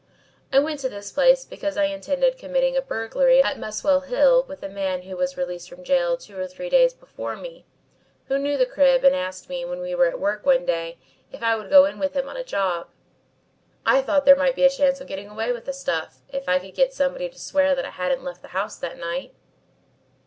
I went to this place because I intended committing a burglary at Muswell Hill with a man who was released from gaol two or three days before me, who knew the crib and asked me, when we were at work one day, if I would go in with him on the job. I thought there might be a chance of getting away with the stuff, if I could get somebody to swear that I hadn't left the house that night.